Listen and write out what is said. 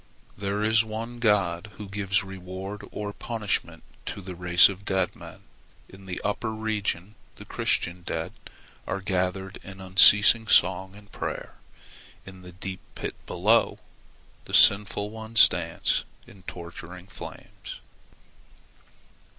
"There is one God who gives reward or punishment to the race of dead men. In the upper region the Christian dead are gathered in unceasing song and prayer. In the deep pit below, the sinful ones dance in torturing flames.